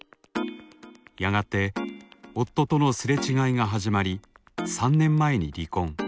やがて夫との擦れ違いが始まり３年前に離婚。